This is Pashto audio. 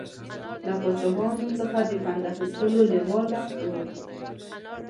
له پاچاهانو څخه د پند اخیستلو لېواله و.